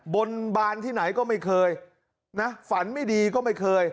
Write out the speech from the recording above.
บนบานที่ไหนก็ไม่เคยนะฝันไม่ดีก็ไม่เคย